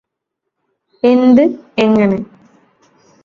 എന്ത് എങ്ങനെ